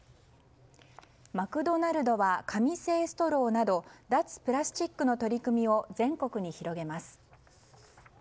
マクドナルドは紙製ストローなど脱プラスチックの取り組みを全国に広げます。